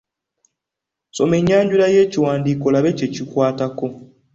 Soma ennyanjula y'ekiwandiiko olabe kye kikwatako.